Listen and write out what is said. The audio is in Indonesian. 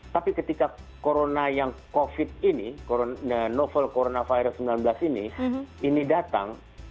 tapi ketika corona yang covid ini novel coronavirus sembilan belas ini ini datang